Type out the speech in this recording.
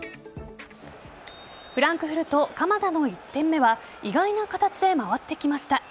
フランクフルト鎌田の１点目は意外な形で回ってきました。